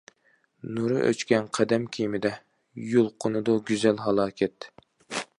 نۇرى ئۆچكەن قەدىم كىمىدە، يۇلقۇنىدۇ گۈزەل ھالاكەت.